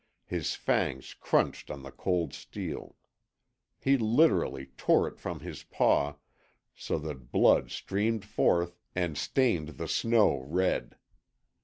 His fangs crunched on the cold steel; he literally tore it from his paw so that blood streamed forth and strained the snow red.